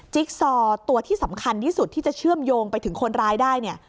ซอตัวที่สำคัญที่สุดที่จะเชื่อมโยงไปถึงคนร้ายได้เนี่ย